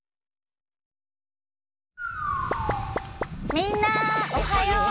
みんなおはよう！